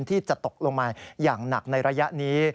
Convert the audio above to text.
ที่จะตกลงมาอย่างหนักในระยะนี้